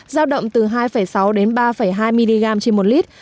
giao động từ hai sáu đến ba hai mg trên một lít